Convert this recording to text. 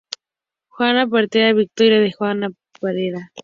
Juanma Perera, victoria de Juanma Perera.